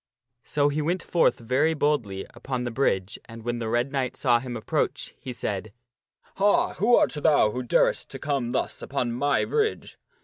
So he went forth very boldly upon the bridge, and when the Red Knight saw him approach, he said, " Ha ! who art thou who darest to come thus upon my bridge?"